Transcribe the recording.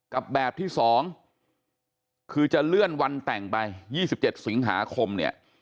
กับแบบที่๒คือจะเลื่อนวันแต่งไป๒๗สิงหาคมเนี่ย